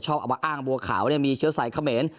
ชอบเอามาอ้างบัวขาวเนี่ยมีเชื้อสายเขมร